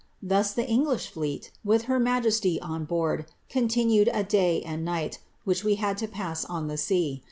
Thus the English fleet, with her majesty on board, continued a day and night, which we had to pass on the sea.